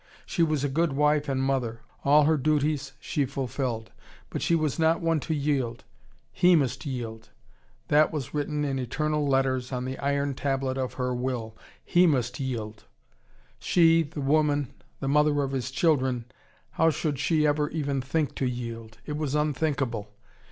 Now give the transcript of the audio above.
She was a good wife and mother. All her duties she fulfilled. But she was not one to yield. He must yield. That was written in eternal letters, on the iron tablet of her will. He must yield. She the woman, the mother of his children, how should she ever even think to yield? It was unthinkable.